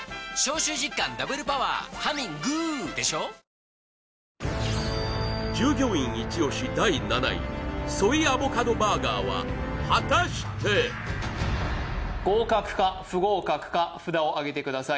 最高の渇きにＤＲＹ従業員イチ押し第７位ソイアボカドバーガーは果たして合格か不合格か札をあげてください